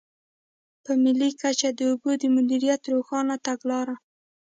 په ملي کچه د اوبو د مدیریت روښانه تګلاره.